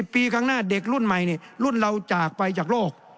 ปีข้างหน้าเด็กรุ่นใหม่รุ่นเราจากไปจากโลก